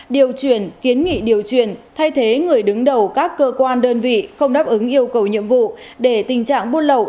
điều chuyển kiến nghị điều chuyển thay thế người đứng đầu các cơ quan đơn vị không đáp ứng yêu cầu nhiệm vụ để tình trạng buôn lậu